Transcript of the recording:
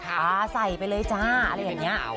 ปลาใส่ไปเลยจ้าอะไรอย่างนี้